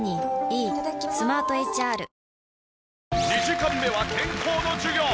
２時間目は健康の授業。